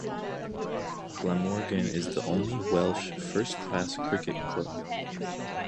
Glamorgan is the only Welsh first-class cricket club.